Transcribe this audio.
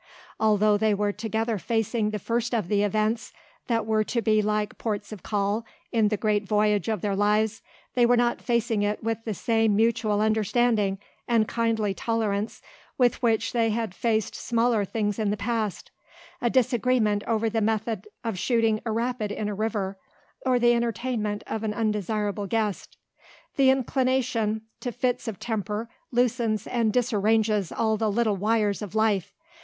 Although they were together facing the first of the events that were to be like ports of call in the great voyage of their lives, they were not facing it with the same mutual understanding and kindly tolerance with which they had faced smaller things in the past a disagreement over the method of shooting a rapid in a river or the entertainment of an undesirable guest. The inclination to fits of temper loosens and disarranges all the little wires of life.